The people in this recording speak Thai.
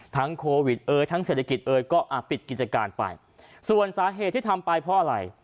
โควิดเอ้ยทั้งเศรษฐกิจเอยก็ปิดกิจการไปส่วนสาเหตุที่ทำไปเพราะอะไร